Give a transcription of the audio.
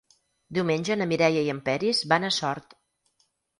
Diumenge na Mireia i en Peris van a Sort.